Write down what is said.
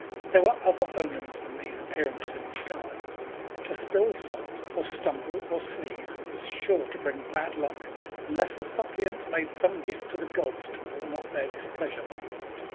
There were other omens than these appear ances in the sky. To spill salt or stumble or sneeze was sure to bring bad luck unless the suppliant made some gift to the gods to ward off their displeasure.